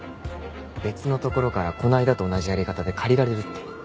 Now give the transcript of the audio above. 別のところからこの間と同じやり方で借りられるって。